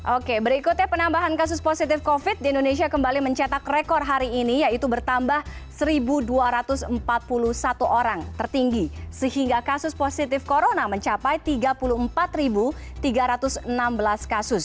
oke berikutnya penambahan kasus positif covid di indonesia kembali mencetak rekor hari ini yaitu bertambah satu dua ratus empat puluh satu orang tertinggi sehingga kasus positif corona mencapai tiga puluh empat tiga ratus enam belas kasus